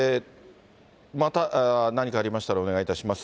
また何かありましたらお願いいたします。